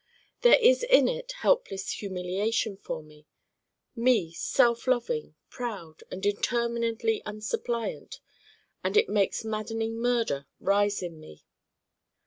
There is in it helpless humiliation for me me self loving, proud and determinedly unsuppliant and it makes maddening Murder rise in me.